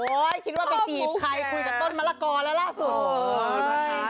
โอ๊ยคิดว่าไปจีบใครคุยกับต้นมะละกอแล้วล่ะ